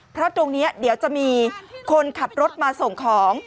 เพราะตรงนี้เดี๋ยวจะมีคนขับรถมาส่งของ